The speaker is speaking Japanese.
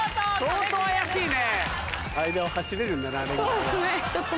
相当怪しいね。